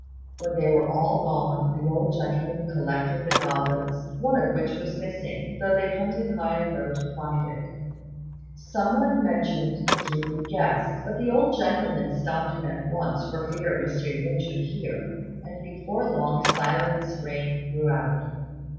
When they were all gone the old gentleman collected the goblets, one of which was missing, though they hunted high and low to find it. Someone mentioned the sleeping guest; but the old gentleman stopped him at once for fear Mr. Yin should hear, and before long silence reigned throughout.